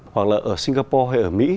hoặc là ở singapore hay ở mỹ